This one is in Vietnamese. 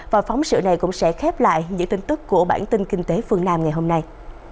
và phóng sự này cũng sẽ khép lại những tin tức của bản tin kinh tế phương nam ngày hôm nay